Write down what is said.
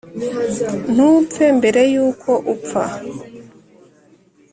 ntupfe mbere yuko upfa.